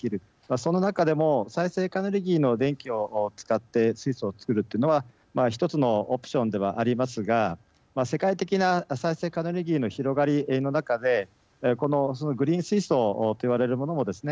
その中でも再生可能エネルギーの電気を使って水素を作るというのは１つのオプションではありますが世界的な再生可能エネルギーの広がりの中でこのグリーン水素と言われるものもですね